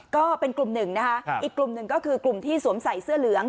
ก็เป็นกลุ่มหนึ่งนะคะอีกกลุ่มหนึ่งก็คือกลุ่มที่สวมใส่เสื้อเหลือง